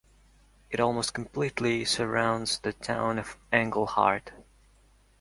It almost completely surrounds the town of Englehart.